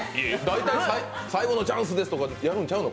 最後のチャンスです！とかやるんちゃうの？